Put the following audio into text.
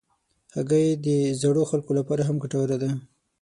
هګۍ د زړو خلکو لپاره هم ګټوره ده.